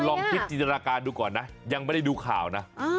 ลองคิดจินตนาการดูก่อนนะยังไม่ได้ดูข่าวนะ